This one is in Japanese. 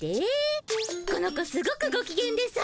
この子すごくごきげんでさ。